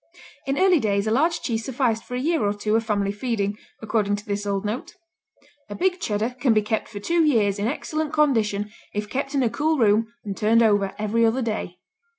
In early days a large cheese sufficed for a year or two of family feeding, according to this old note: "A big Cheddar can be kept for two years in excellent condition if kept in a cool room and turned over every other day."